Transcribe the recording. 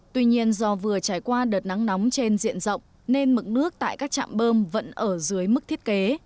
tuy nhiên do vừa trải qua đợt nắng nóng trên diện rộng nên mực nước tại các trạm bơm vẫn ở dưới mức thiết kế